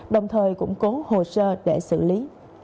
đồng thời cũng cố hồ sơ để xử lý